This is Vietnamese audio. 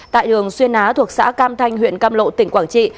tại đường xuyên á thuộc xã cam thanh huyện cam lộ tỉnh quảng trị